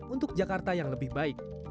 untuk jakarta yang lebih baik